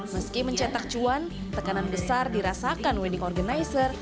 meski mencetak cuan tekanan besar dirasakan wedding organizer